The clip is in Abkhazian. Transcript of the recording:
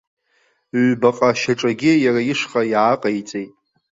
Ҩбаҟа шьаҿагьы иара ишҟа иааҟеиҵеит.